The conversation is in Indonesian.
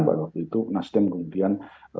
pada waktu itu nasdem kemudian